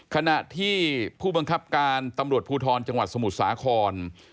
ขณะที่ผู้บังคับการตำรวจภูทรจังหวัดสมุทรสาคร